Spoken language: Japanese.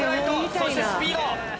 そしてスピード！